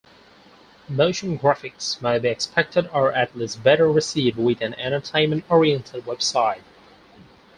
Motion graphics may be expected or at least better received with an entertainment-oriented website.